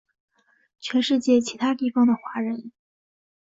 全世界其他地方的华人